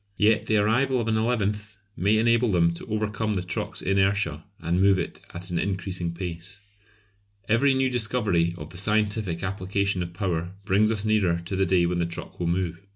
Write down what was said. Yet the arrival of an eleventh may enable them to overcome the truck's inertia and move it at an increasing pace. Every new discovery of the scientific application of power brings us nearer to the day when the truck will move.